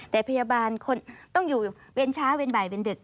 แต่พยาบาลคนต้องอยู่เวรเช้าเวรบ่ายเวรดึก